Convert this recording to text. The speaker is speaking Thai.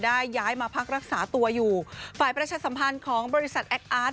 ย้ายมาพักรักษาตัวอยู่ฝ่ายประชาสัมพันธ์ของบริษัทแอคอาร์ต